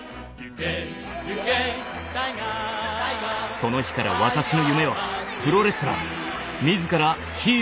その日から私の夢はプロレスラー。